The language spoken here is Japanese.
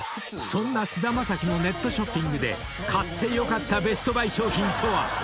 ［そんな菅田将暉のネットショッピングで買ってよかったベストバイ商品とは？